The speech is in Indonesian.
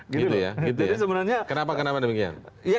gitu ya kenapa demikian